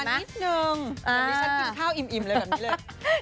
มีมานิดนึงเดี๋ยวนี้ฉันกินข้าวอิ่มเลยแบบนี้เลย